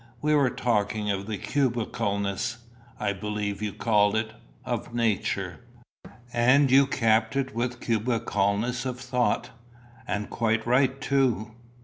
We were talking of the cubicalness I believe you called it of nature." "And you capped it with the cubicalness of thought. And quite right too.